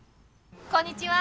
こんにちは。